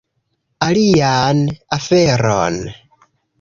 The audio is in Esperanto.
Alian aferon